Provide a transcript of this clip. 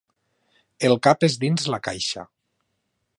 El cap és dins la caixa.